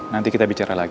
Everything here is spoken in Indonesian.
nanti kita bicara lagi